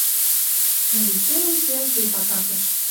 Но лишемӹн кеӓш жеп атакыш.